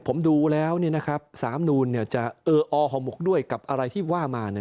ผมดูแล้วนี่นะครับสามนูลเนี่ยจะเอออห่อมกด้วยกับอะไรที่ว่ามาเนี่ย